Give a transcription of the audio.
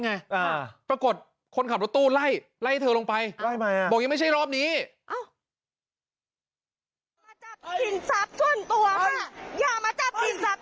อย่ามาจับผิดหลับส่วนตัวเฮ้ยไปค่ะหนูจ่ายเงินแล้ว